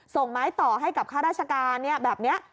ส่งไม้ต่อให้กับข้าราชการแบบนี้